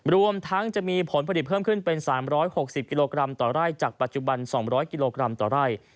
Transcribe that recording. รวมทั้งจะมีผลผลิตเพิ่มขึ้นเป็น๓๖๐กิโลกรัมต่อไร่จากปัจจุบัน๒๐๐กิโลกรัมต่อไร่